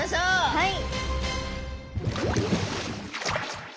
はい。